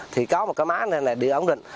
thì có một cái máy này để ổn định